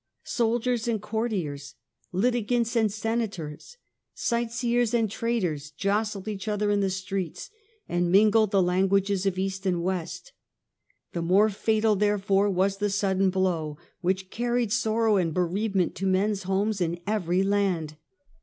Soldiers and courtiers, litigants and senators, sightseers and traders jostled each other in the streets and mingled the languages of East and West. The more fatal therefore was the sudden blow which carried sorrow and bereavement to men^s homes in every land.